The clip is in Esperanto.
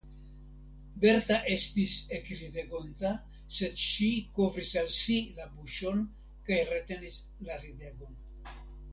Berta estis ekridegonta, sed ŝi kovris al si la buŝon kaj retenis la ridegon.